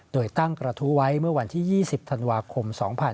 โดยตั้งกระทู้ไว้เมื่อวันที่๒๐ธันวาคม๒๕๕๙